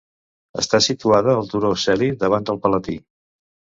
Està situada al turó Celi, davant del Palatí.